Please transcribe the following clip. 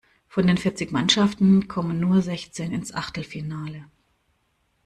Von den vierzig Mannschaften kommen nur sechzehn ins Achtelfinale.